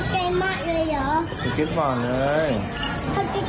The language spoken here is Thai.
เค้าไปเก็ตมากเลยหรอ